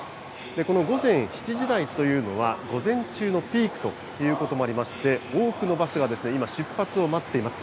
この午前７時台というのは、午前中のピークということもありまして、多くのバスが今、出発を待っています。